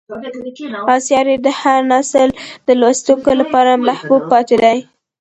آثار یې د هر نسل د لوستونکو لپاره محبوب پاتې دي.